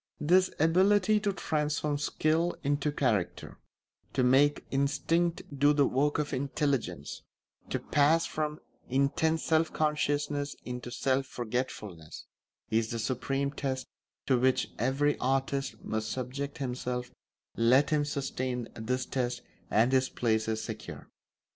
This ability to transform skill into character, to make instinct do the work of intelligence, to pass from intense self consciousness into self forgetfulness, is the supreme test to which every artist must subject himself let him sustain this test and his place is secure.